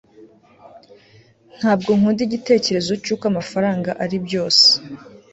ntabwo nkunda igitekerezo cy'uko amafaranga ari byose